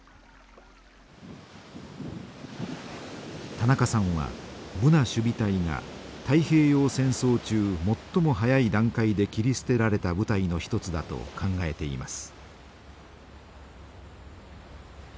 田中さんはブナ守備隊が太平洋戦争中最も早い段階で切り捨てられた部隊の一つだと考えています。